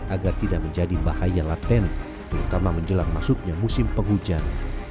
agar tidak menjadi bahaya laten terutama menjelang masuknya musim penghujan